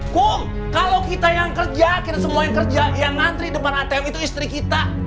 kok kalau kita yang kerja kita semua yang kerja yang ngantri depan atm itu istri kita